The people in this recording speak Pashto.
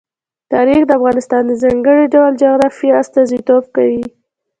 تاریخ د افغانستان د ځانګړي ډول جغرافیه استازیتوب کوي.